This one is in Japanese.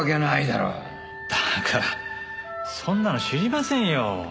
だからそんなの知りませんよ！